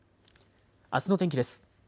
あすの天気です。